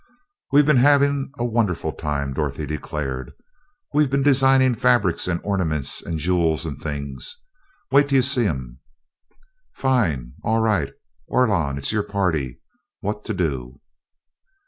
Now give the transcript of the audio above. "We've been having a wonderful time!" Dorothy declared. "We've been designing fabrics and ornaments and jewels and things. Wait 'til you see 'em!" "Fine! All right, Orlon, it's your party what to do?"